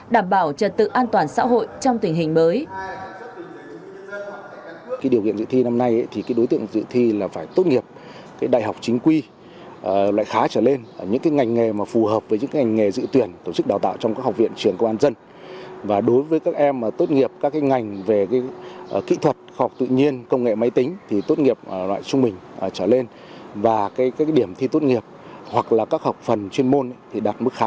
đảm bảo trật tự an toàn xã hội trong tình hình mới